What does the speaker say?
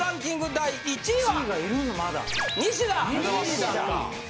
第１位は？